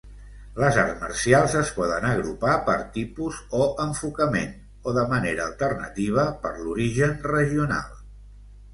Les arts marcials es poden agrupar per tipus o enfocament, o de manera alternativa, per l'origen regional.